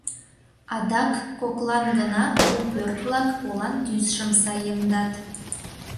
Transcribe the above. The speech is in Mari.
Адак коклан гына у пӧрт-влак олан тӱсшым саемдат.